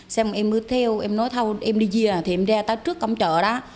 xem em mới theo em nói thâu em đi dìa thì em ra tới trước cổng chợ đó